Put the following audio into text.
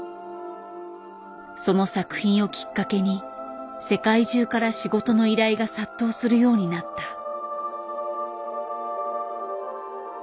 その作品をきっかけに世界中から仕事の依頼が殺到するようになった。